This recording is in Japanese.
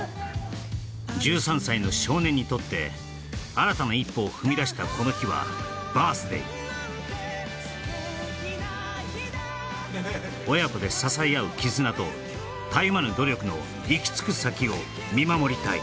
１３歳の少年にとって新たな一歩を踏み出したこの日はバース・デイ親子で支え合う絆とたゆまぬ努力の行きつく先を見守りたい